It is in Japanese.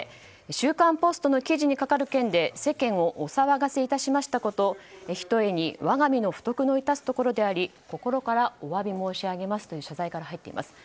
「週刊ポスト」の記事にかかる件で世間をお騒がせ致しましたことひとえにわが身の不徳の致すところであり心からお詫び申し上げますという謝罪から入っています。